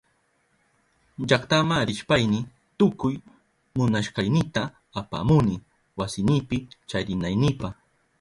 Llaktama rishpayni tukuy munashkaynita apamuni wasinipi charinaynipa.